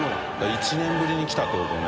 １年ぶりに来たってことね。